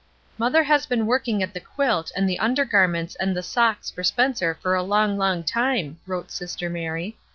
" Mother has been working at the quilt and the under garments and the socks for Spencer for a long, long time," wrote sister Mary.